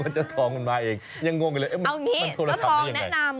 เจ้าทองแนะนำว่า